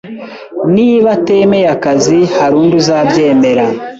Niba atemeye akazi, hari undi uzabyemera